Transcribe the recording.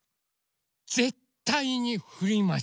ぜったいにふります。